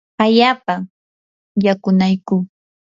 allaapam yakunaykuu.